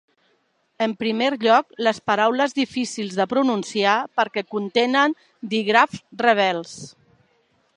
En primer lloc, les paraules difícils de pronunciar perquè contenen dígrafs rebels.